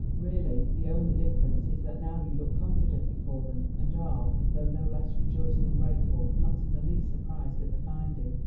Really the only difference is that now you look confidently for them and are, though no less rejoiced and grateful, not in the least surprised at the finding.